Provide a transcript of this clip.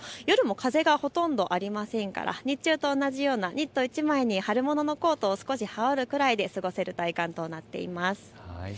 夜も風がほとんどありませんから日中と同じようなニット１枚に春物のコートを羽織るぐらいで過ごせる体感となっています。